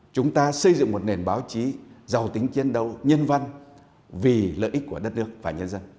chúng ta xây dựng một nền báo chí giàu tính chiến đấu nhân văn vì lợi ích của đất nước và nhân dân